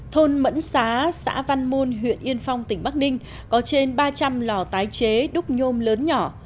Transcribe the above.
thôn mẫn xá xã văn môn huyện yên phong tỉnh bắc ninh có trên ba trăm linh lò tái chế đúc nhôm lớn nhỏ